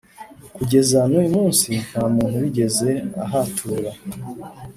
Kugeza n uyu munsi nta muntu wigeze ahatura